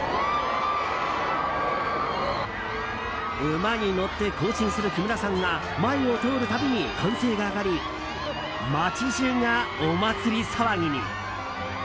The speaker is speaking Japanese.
馬に乗って行進する木村さんが前を通るたびに歓声が上がり街中がお祭り騒ぎに。